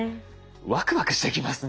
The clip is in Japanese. ワクワクしてきますね。